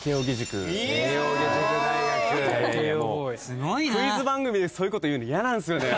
クイズ番組でそういうこと言うの嫌なんすよね